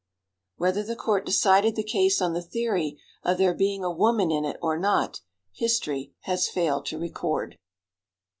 Whether the court decided the case on the theory of there being a woman in it or not, history has failed to record.